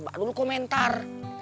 bakal lo komentar